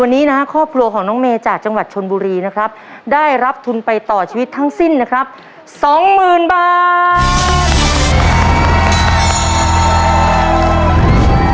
วันนี้นะครับครอบครัวของน้องเมย์จากจังหวัดชนบุรีนะครับได้รับทุนไปต่อชีวิตทั้งสิ้นนะครับสองหมื่นบาท